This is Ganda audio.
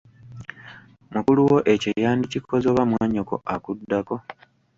Mukulu wo ekyo yandikikoze oba mwannyoko akuddako.